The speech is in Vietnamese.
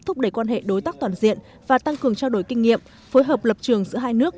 thúc đẩy quan hệ đối tác toàn diện và tăng cường trao đổi kinh nghiệm phối hợp lập trường giữa hai nước